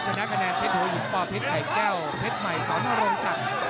ชนะกระแนนเพชรโหยิบป่อเพชรไข่แก้วเพชรใหม่สอนพระรมชัง